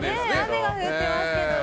雨が降ってますね。